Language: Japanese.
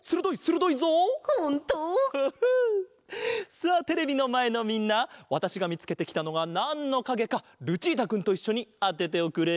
さあテレビのまえのみんなわたしがみつけてきたのがなんのかげかルチータくんといっしょにあてておくれ！